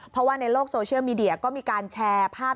เพราะว่าในโลกโซเชียลมีเดียก็มีการแชร์ภาพ